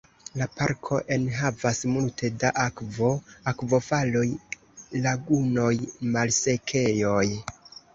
La parko enhavas multe da akvo: akvofaloj, lagunoj, malsekejoj.